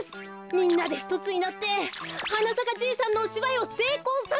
みんなでひとつになって「はなさかじいさん」のおしばいをせいこうさせましょう！